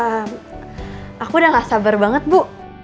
aku udah gak sabar banget bu